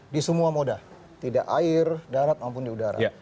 di semua moda tidak air darat maupun di udara